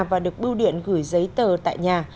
và được bưu điện gửi giấy tờ tại nhà